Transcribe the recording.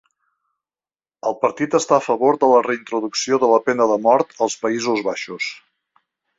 El partit està a favor de la reintroducció de la pena de mort als Països Baixos.